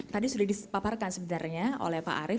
tadi sudah dipaparkan sebenarnya oleh pak arief